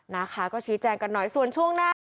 นะคะก็ชี้แจงกันหน่อยส่วนช่วงหน้า